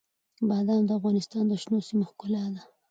بادام د افغانستان د شنو سیمو ښکلا ده.